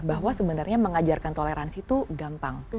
bahwa sebenarnya mengajarkan toleransi itu gampang